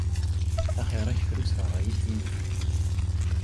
Axir-ak fru-tt d ṛṛay-ik dindin.